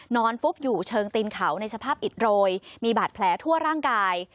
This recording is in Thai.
ฟุบอยู่เชิงตีนเขาในสภาพอิดโรยมีบาดแผลทั่วร่างกาย